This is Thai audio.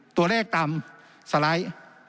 ตัวแรกตามสไลด์